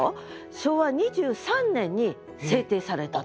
昭和２３年に制定されたと。